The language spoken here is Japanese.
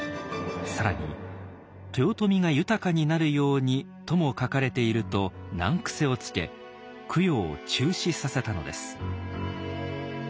更に「豊臣が豊かになるように」とも書かれていると難癖をつけ供養を中止させたのです。